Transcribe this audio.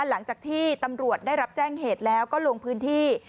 หลังจากที่ตำรวจได้รับแจ้งเหตุแล้วก็ลงพื้นที่